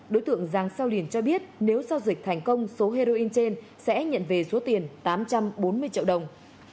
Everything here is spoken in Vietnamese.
đối tượng giàng sao liền cho biết nếu giao dịch thành công số heroin trên sẽ nhận về số tiền tám trăm bốn mươi triệu đồng